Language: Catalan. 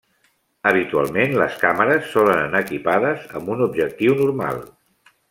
Habitualment, les càmeres solen anar equipades amb un objectiu normal.